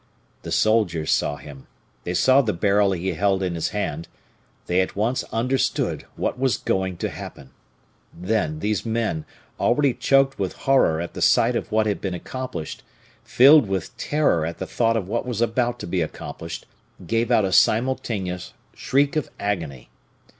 The soldiers saw him, they saw the barrel he held in his hand they at once understood what was going to happen. Then, these men, already choked with horror at the sight of what had been accomplished, filled with terror at thought of what was about to be accomplished, gave out a simultaneous shriek of agony.